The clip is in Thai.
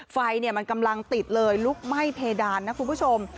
ไฟมันกำลังติดเลยลุกไหม้เพดานนะคุณผู้ชม